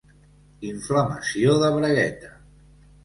Inflamació de bragueta.